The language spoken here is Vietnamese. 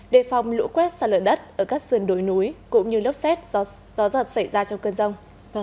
đề phòng lũ quét xa lợi đất ở các sườn đối núi cũng như lốc xét gió giật xảy ra trong cơn rông